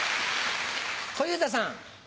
小遊三さん。